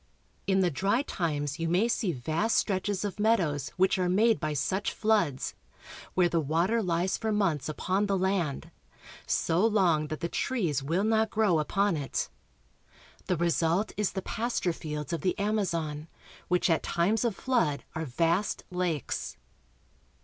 In the dry times you may see vast stretches of meadows which are made by such floods, where the water lies for months upon the land, so long that the trees will not grow upon it. The result is the pasture fields of the Amazon, which at times of flood are vast lakes.